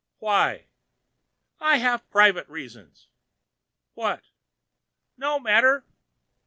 "Why?" "I have private reasons." "What?" "No matter."